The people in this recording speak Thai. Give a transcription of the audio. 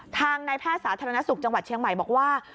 ทางนายแพทย์สาธารณสุขจังหวัดเชียงใหม่บอกว่า